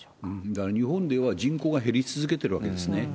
だから日本では人口が減り続けているわけですね。